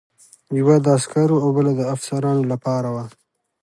یوه د عسکرو او بله د افسرانو لپاره وه.